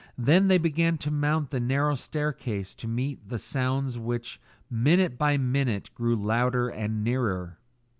Then they began to mount the narrow staircase to meet the sounds which, minute by minute, grew louder and nearer.